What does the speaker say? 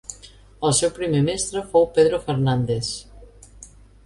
El seu primer mestre fou Pedro Fernández.